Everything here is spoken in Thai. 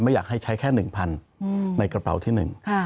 ไม่อยากให้ใช้แค่หนึ่งพันในกระเป๋าที่หนึ่ง